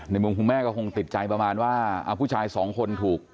มุมคุณแม่ก็คงติดใจประมาณว่าผู้ชายสองคนถูก